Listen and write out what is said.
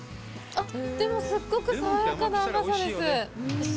でも、すっごく爽やかな甘さです。